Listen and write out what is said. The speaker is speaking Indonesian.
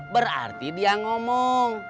berarti dia ngomong